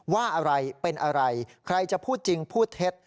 ว่าอะไรเป็นอะไรใครจะพูดจริงพูดเท็จ